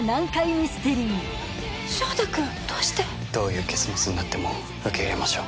ミステリー翔太君どうして。どういう結末になっても受け入れましょう。